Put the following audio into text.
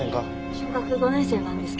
小学５年生なんですけど。